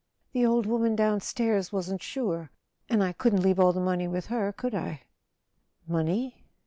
The old woman downstairs wasn't sure —and I couldn't leave all this money with her, could I?" "Money?